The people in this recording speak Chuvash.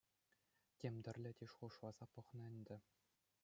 Тем тӗрлӗ те шухӑшласа пӑхнӑ ӗнтӗ.